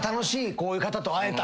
こういう方と会えた。